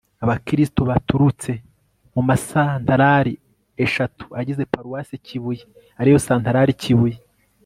abakristu baturutse mu ma santarari eshatu agize paruwasi kibuye ariyo santarari kibuye